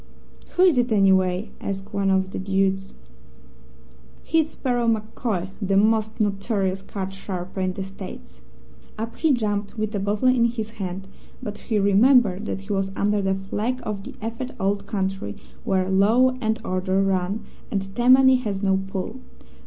"'Who is it, anyway?' asked one of the dudes. "'He's Sparrow MacCoy, the most notorious card sharper in the States.' "Up he jumped with a bottle in his hand, but he remembered that he was under the flag of the effete Old Country, where law and order run, and Tammany has no pull.